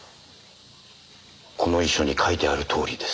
この遺書に書いてあるとおりです。